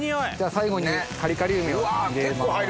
最後にカリカリ梅を入れます。